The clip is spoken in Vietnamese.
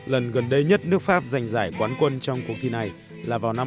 lần gần đây nhất nước pháp giành giải quán quân trong cuộc thi này là vào năm một nghìn chín trăm bảy mươi bảy